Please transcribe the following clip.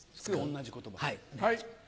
同じ言葉。